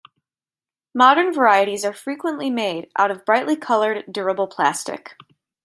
Modern varieties are frequently made out of brightly colored, durable plastic.